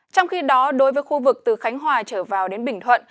trong khi đó đối với khu vực từ khánh hòa trở vào đến bình thuận